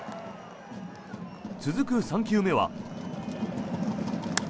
続く３球目は。